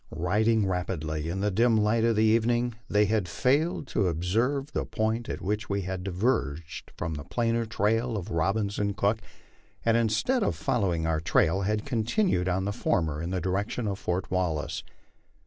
Riding rapidly in the dim light of evening, they had failed to observe the point at which we had diverged from the plainer trail of Robbins and Cook, and instead of following our trail had continued on the former in the direction of Fort Wallace.